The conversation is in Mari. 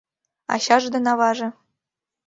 Ачаж дене аваже